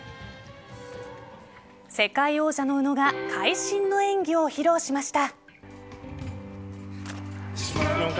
世界王者の宇野が会心の演技を披露しました。